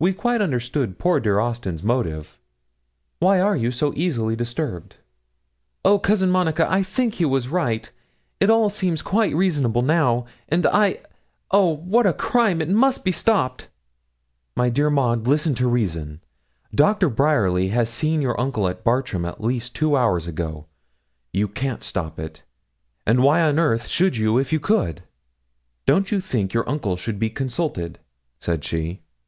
We quite understood poor dear Austin's motive. Why are you so easily disturbed?' 'Oh, Cousin Monica, I think he was right; it all seems quite reasonable now; and I oh, what a crime! it must be stopped.' 'My dear Maud, listen to reason. Doctor Bryerly has seen your uncle at Bartram at least two hours ago. You can't stop it, and why on earth should you if you could? Don't you think your uncle should be consulted?' said she.